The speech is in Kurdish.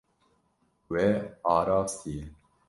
Wê arastiye.